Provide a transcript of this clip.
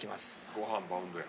ご飯バウンドや。